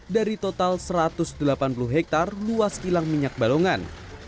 dari total satu ratus delapan puluh hektare luas kilang minyak balongan